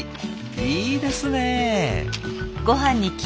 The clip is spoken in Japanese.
いいですね。